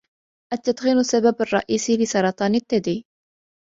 التدخين السبب الرئيسي لسرطان الثدي.